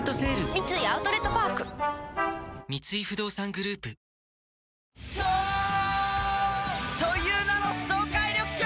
三井アウトレットパーク三井不動産グループ颯という名の爽快緑茶！